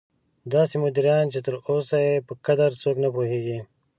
داسې مدیران چې تر اوسه یې په قدر څوک نه پوهېږي.